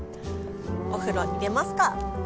お風呂入れますか！